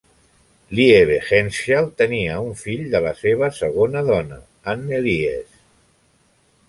Liebehenschel tenia un fill de la seva segona dona, Anneliese.